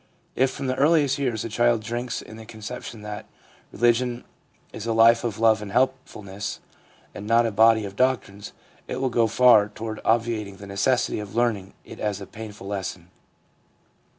If from the earliest years the child drinks in the conception that religion is a life of love and helpfulness and not a body of doctrines, it will go far toward obviating the necessity of learning it as a painful lesson.